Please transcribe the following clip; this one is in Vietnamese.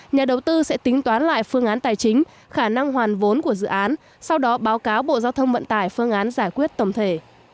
nhà đầu tư sẽ tính toán lại phương án tài chính khả năng hoàn vốn của dự án sau đó báo cáo bộ giao thông vận tải phương án giải quyết tổng thể